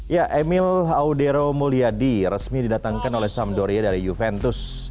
ya emil audero mulyadi resmi didatangkan oleh samdoria dari juventus